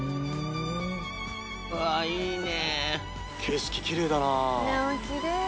うわっいいね。